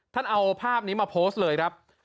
ท่านเอาภาพนี้มาโพสต์เลยครับ